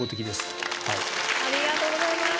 ありがとうございます。